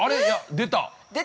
◆出た。